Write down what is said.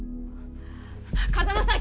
風真さん！